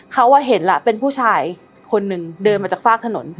เขาเห็นล่ะเป็นผู้ชายคนหนึ่งเดินมาจากฝากถนน